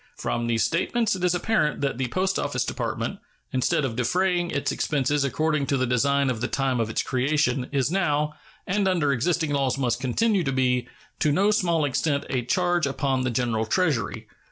From these statements it is apparent that the Post Office Department, instead of defraying its expenses according to the design at the time of its creation, is now, and under existing laws must continue to be, to no small extent a charge upon the general Treasury.